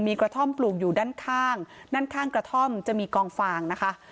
มีกระท่อมปลูกอยู่ด้านข้างด้านข้างกระท่อมจะมีกองฟางนะคะ